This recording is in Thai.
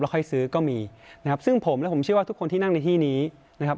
ค่อยซื้อก็มีนะครับซึ่งผมและผมเชื่อว่าทุกคนที่นั่งในที่นี้นะครับ